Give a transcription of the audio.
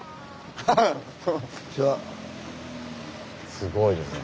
すごいですね。